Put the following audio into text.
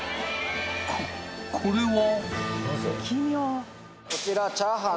ここれは？